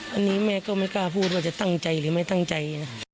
อันนี้แม่ก็ไม่กล้าพูดว่าจะตั้งใจหรือไม่ตั้งใจนะ